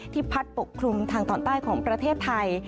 พัดปกคลุมทางตอนใต้ของประเทศไทย